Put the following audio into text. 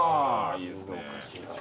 いいですね。